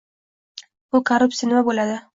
Bu korruptsiya nima bo'ladi?